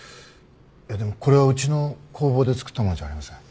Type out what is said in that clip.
でもこれはうちの工房で作ったものじゃありません。